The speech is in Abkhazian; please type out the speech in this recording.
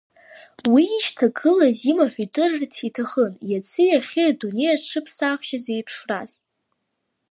Уи ишьҭагылаз имаҳә идырырц иҭахын иаци иахьеи адунеи аҽыԥсахшьа зеиԥшраз.